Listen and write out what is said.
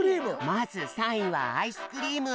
まず３いはアイスクリーム。